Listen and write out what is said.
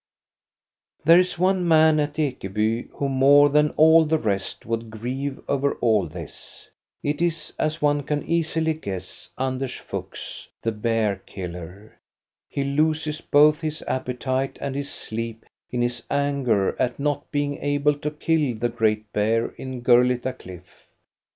There is one man at Ekeby who, more than all the rest, would grieve over all this. It is, as one can easily guess, Anders Fuchs, the bear killer. He loses both his appetite and his sleep in his anger at not be ing able to kill the great bear in Gurlitta Cliff.